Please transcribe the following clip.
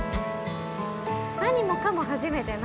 何もかも初めてなので。